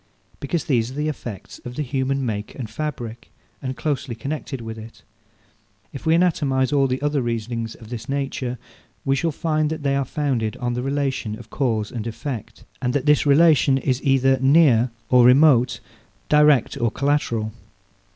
because these are the effects of the human make and fabric, and closely connected with it. If we anatomize all the other reasonings of this nature, we shall find that they are founded on the relation of cause and effect, and that this relation is either near or remote, direct or collateral.